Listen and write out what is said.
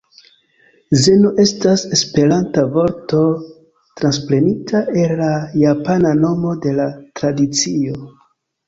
Zeno estas esperanta vorto transprenita el la japana nomo de la tradicio.